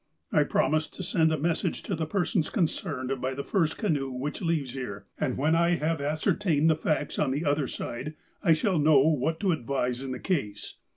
I promised to send a mes sage to the persons concerned by the first canoe which leaves here, and when I have ascertained the facts on the other side, I shall know what to advise in the case.